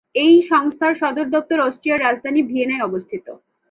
এই সংস্থার সদর দপ্তর অস্ট্রিয়ার রাজধানী ভিয়েনায় অবস্থিত।